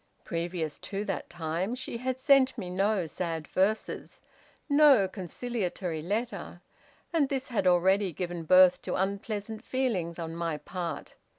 Previous to that time, she had sent me no sad verses, no conciliatory letter, and this had already given birth to unpleasant feelings on my part.